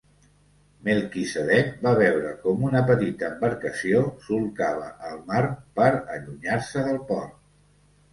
Melquisedec va veure com una petita embarcació solcava el mar per allunyar-se del port.